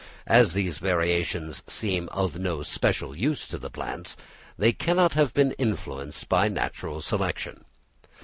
As these variations seem of no special use to the plants, they cannot have been influenced by natural selection.